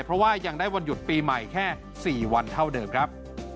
เพราะว่ายังได้วันหยุดปีใหม่แค่๔วันเท่าเดิมครับ